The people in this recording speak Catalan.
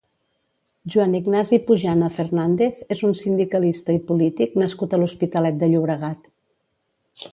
Joan Ignasi Pujana Fernández és un sindicalista i polític nascut a l'Hospitalet de Llobregat.